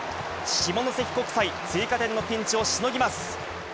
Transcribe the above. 下関国際、追加点のピンチをしのぎます。